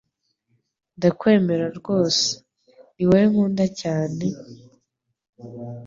Ndakwemera rwose. Ni wowe nkunda cyane,